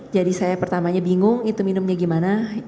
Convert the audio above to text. jadi saya pertamanya bingung itu minumnya gimana